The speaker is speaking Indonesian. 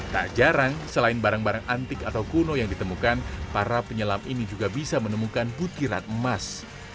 tak jarang selain barang barang antik atau kuno yang ditemukan para penyelam ini juga bisa menemukan butiran emas